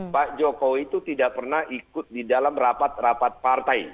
pak jokowi itu tidak pernah ikut di dalam rapat rapat partai